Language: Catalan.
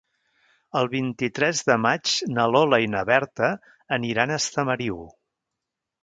El vint-i-tres de maig na Lola i na Berta aniran a Estamariu.